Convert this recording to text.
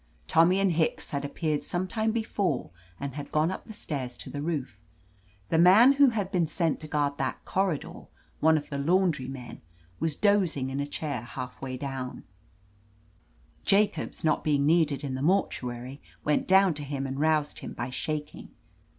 Tommy and Hicks had appeared sometime before and had gone up the stairs to the roof. The man who had been sent to guard that corridor, one of the laimdry men, was dozing in a chair half way 143 \ I THE AMAZING ADVENTURES down. Jacobs, not being needed in the mor tuary, went down to him and roused him by shaking.